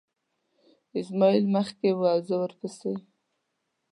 اسماعیل مخکې و او زه ورپسې.